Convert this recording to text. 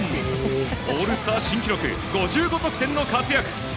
オールスター新記録５５得点の活躍。